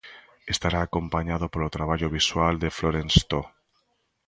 Estará acompañado polo traballo visual de Florence To.